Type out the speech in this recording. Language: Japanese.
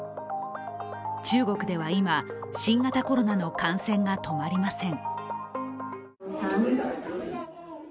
中国では今、新型コロナの感染が止まりません。